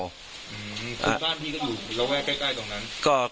คือบ้านพี่ก็อยู่ระแวกใกล้ตรงนั้น